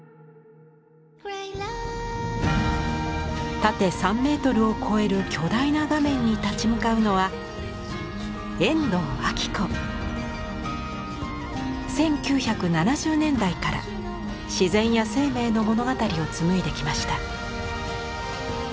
縦３メートルを超える巨大な画面に立ち向かうのは１９７０年代から自然や生命の物語を紡いできました。